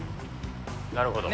なるほど。